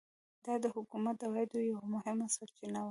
دا د حکومت د عوایدو یوه مهمه سرچینه وه.